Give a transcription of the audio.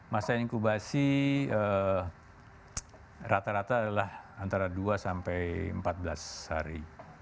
masa inkubasi rata rata adalah antara dua sampai empat belas hari